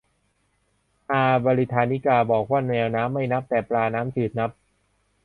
อา บริทานิกา บอกว่าแมวน้ำไม่นับ แต่ปลาน้ำจืดนับ